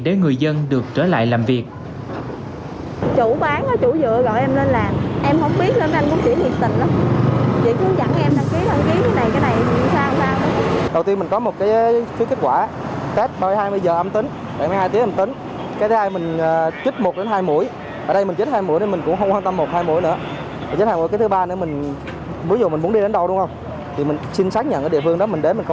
để người dân được trở lại làm việc